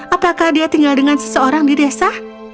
apakah dia tinggal dengan seseorang di desa